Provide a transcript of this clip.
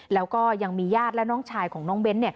แล้วก็ยังมีญาติและน้องชายของน้องเบ้น